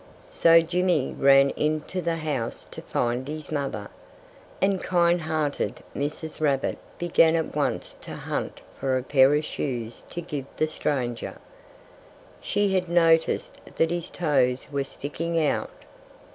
So Jimmy ran into the house to find his mother. And kind hearted Mrs. Rabbit began at once to hunt for a pair of shoes to give the stranger. She had noticed that his toes were sticking out.